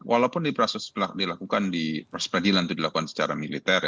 walaupun proses peradilan itu dilakukan secara militer